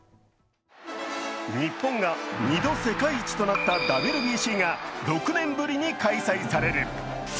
日本が２度世界一となったＷＢＣが６年ぶりに開催される。